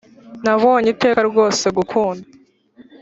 nabonye iteka ryose gukunda.